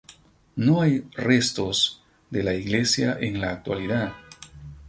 No hay restos de la iglesia en la actualidad.